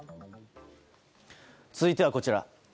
続いては、こちら。